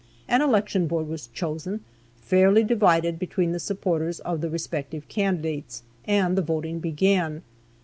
An election board was chosen, fairly divided between the supporters of the respective candidates, and the voting began.